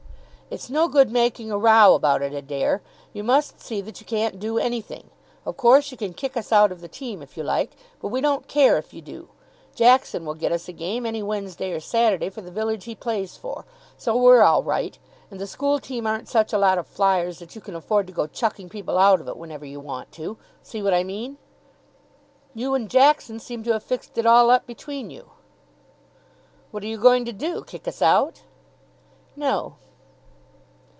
"It's no good making a row about it, Adair. You must see that you can't do anything. Of course, you can kick us out of the team, if you like, but we don't care if you do. Jackson will get us a game any Wednesday or Saturday for the village he plays for. So we're all right. And the school team aren't such a lot of flyers that you can afford to go chucking people out of it whenever you want to. See what I mean?" "You and Jackson seem to have fixed it all up between you." "What are you going to do? Kick us out?" "No."